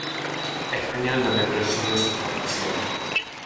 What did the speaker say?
Español donde prosiguió su formación.